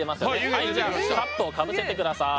はいじゃあカップをかぶせてください。